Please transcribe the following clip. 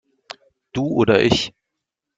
Du oder ich?